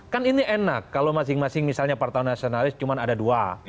kan ini enak kalau masing masing misalnya partai nasionalis cuma ada dua